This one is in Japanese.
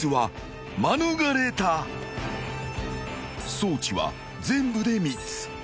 ［装置は全部で３つ］